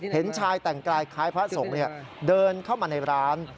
เห็นชายแต่งกายคล้ายพระสงฆ์เดินเข้ามาในร้าน